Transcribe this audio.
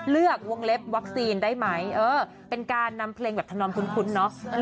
วงเล็บวัคซีนได้ไหมเออเป็นการนำเพลงแบบธนอมคุ้นเนอะ